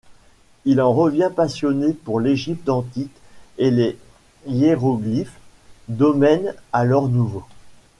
Il en revient passionné pour l'Égypte antique et les hiéroglyphes, domaine alors nouveau.